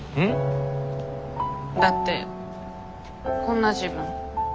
だってこんな自分。